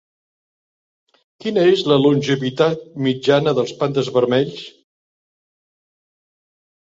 Quina és la longevitat mitjana dels pandes vermells?